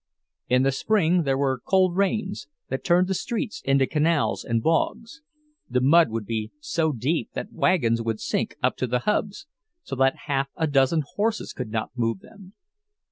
In the spring there were cold rains, that turned the streets into canals and bogs; the mud would be so deep that wagons would sink up to the hubs, so that half a dozen horses could not move them.